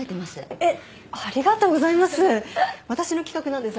えっありがとうございます！